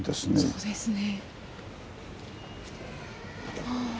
そうですね。